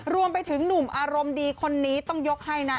รวมไปถึงหนุ่มอารมณ์ดีคนนี้ต้องยกให้นะ